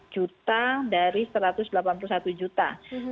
empat juta dari satu ratus delapan puluh satu juta